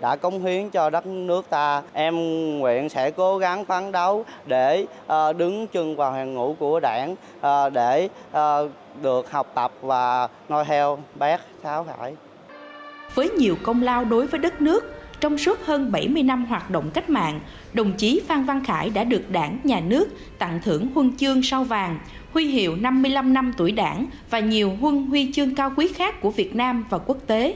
đã có nhiều năm cùng công tác với đồng chí phan văn khải chia sẻ những kỷ niệm sâu sắc về người đồng chí của mình